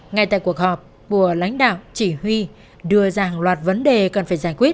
ngay tại cuộc họp bùa lãnh đạo chỉ huy đưa ra hàng loạt vấn đề cần phải giải quyết